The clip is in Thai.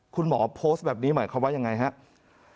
คุณหมอโพสต์แบบนี้หมายความว่ายังไงครับ